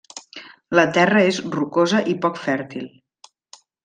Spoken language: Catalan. La terra és rocosa i poc fèrtil.